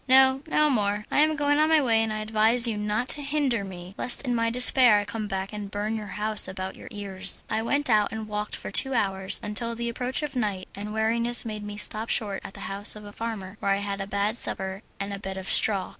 "No, no more. I am going on my way, and I advise you not to hinder me, lest in my despair I come back and burn your house about your ears." I went out and walked for two hours, until the approach of night and weariness made me stop short at the house of a farmer, where I had a bad supper and a bed of straw.